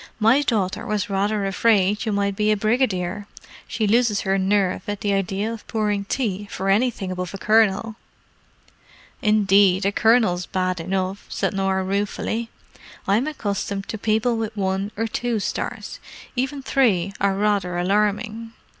"My daughter was rather afraid you might be a brigadier. She loses her nerve at the idea of pouring tea for anything above a colonel." "Indeed, a colonel's bad enough," said Norah ruefully. "I'm accustomed to people with one or two stars: even three are rather alarming!"